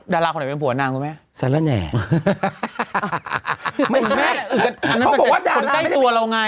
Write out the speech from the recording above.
ดาราคนไหนเป็นผัวนางคุณแม่แสลแหน่เขาบอกว่าดาราคนใกล้ตัวเราไง